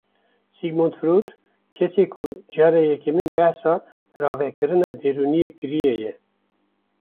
Sigmund Freud kesê ku cara yekemîn behsa ravekirina derûniyê kiriye ye.